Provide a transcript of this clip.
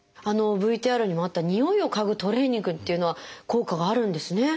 ＶＴＲにもあったにおいを嗅ぐトレーニングというのは効果があるんですね。